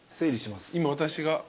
今私が。